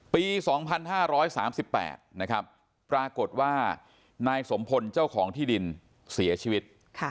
ปี๒๕๓๘นะครับปรากฏว่านายสมพลเจ้าของที่ดินเสียชีวิต